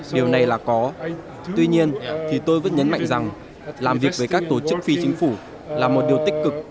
điều này là có tuy nhiên thì tôi vẫn nhấn mạnh rằng làm việc với các tổ chức phi chính phủ là một điều tích cực